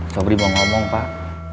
sobri equminya jatuh pak